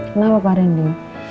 kenapa pak rendy